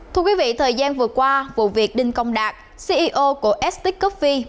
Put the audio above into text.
thưa quý vị thời gian vừa qua vụ việc đinh công đạt ceo của stcoffee